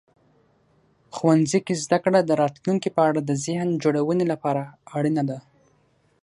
ښوونځي کې زده کړه د راتلونکي په اړه د ذهن جوړونې لپاره اړینه ده.